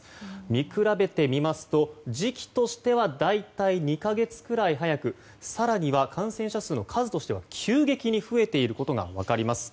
見比べてみますと時期としては大体２か月くらい早く更には、感染者数の数としては急激に増えていることが分かります。